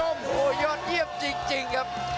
โอ้โหยอดเยี่ยมจริงครับ